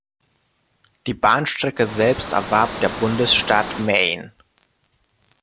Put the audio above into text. Die Bahnstrecke selbst erwarb der Bundesstaat Maine.